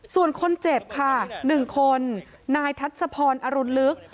ส่วนคนเจ็บค่ะ๑คนนายทัศพรอรุณลึก